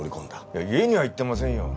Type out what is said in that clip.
いや家には行ってませんよ。